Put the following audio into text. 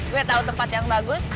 gue tau tempat yang bagus